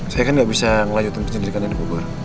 saya kan gak bisa ngelajutin penyelidikannya di kubur